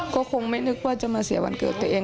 ก็คงไม่นึกว่าจะมาเสียวันเกิดตัวเอง